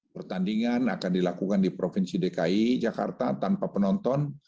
pertandingan akan dilakukan di provinsi dki jakarta tanpa penonton